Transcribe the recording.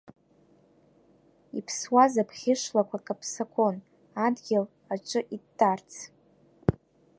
Иԥсуаз абӷьы шлақәа каԥсақәон, адгьыл аҿы иттарц.